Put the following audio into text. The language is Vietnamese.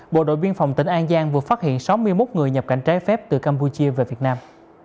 bộ đội biên phòng tỉnh an giang vừa phát hiện sáu mươi một người nhập cảnh trái phép từ campuchia về việt nam